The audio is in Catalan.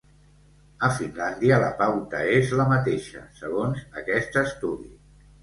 A Finlàndia la pauta és la mateixa, segons aquest estudi.